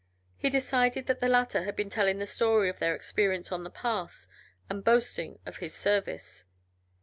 He decided that the latter had been telling the story of their experience on the pass and boasting of his service.